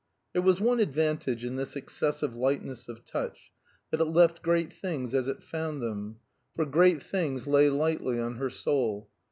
There was one advantage in this excessive lightness of touch, that it left great things as it found them, for great things lay lightly on her soul.